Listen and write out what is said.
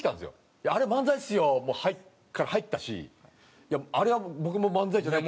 「いやあれ漫才っすよ」から入ったし「あれは僕も漫才じゃないと」。